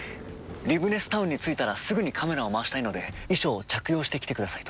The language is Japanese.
リブネスタウンに着いたらすぐにカメラを回したいので衣装を着用して来てくださいと。